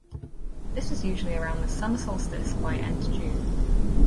This was usually around the Summer solstice by end June.